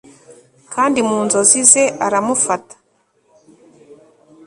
kandi mu nzozi ze aramufata